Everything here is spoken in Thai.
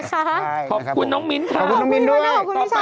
ขอบคุณน้องมิ้นท์ค่ะต่อไปแองจี้ร้อนขึ้นมาค่ะขอบคุณน้องมิ้นท์ด้วยต่อไปแองจี้